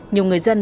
nhiều người dân